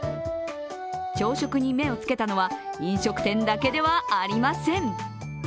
朝食に目をつけたのは飲食店だけではありません。